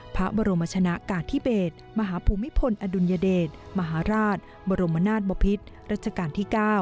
พระบรมชนะกาธิเบศมหาภูมิพลอดุลยเดชมหาราชบรมนาศบพิษรัชกาลที่๙